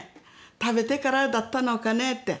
食べてからだったのかねって。